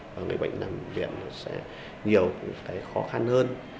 và người bệnh nằm viện sẽ nhiều khó khăn hơn